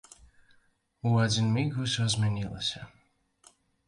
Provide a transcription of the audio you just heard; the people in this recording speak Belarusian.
У адзін міг усё змянілася.